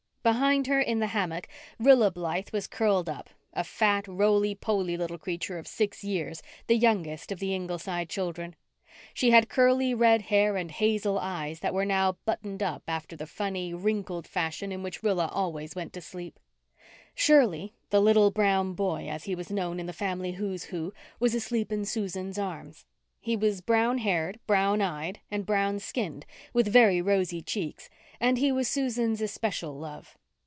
Behind her, in the hammock, Rilla Blythe was curled up, a fat, roly poly little creature of six years, the youngest of the Ingleside children. She had curly red hair and hazel eyes that were now buttoned up after the funny, wrinkled fashion in which Rilla always went to sleep. Shirley, "the little brown boy," as he was known in the family "Who's Who," was asleep in Susan's arms. He was brown haired, brown eyed and brown skinned, with very rosy cheeks, and he was Susan's especial love.